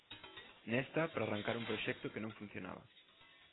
Nesta pra arrancar un proxecto que non funcionaba.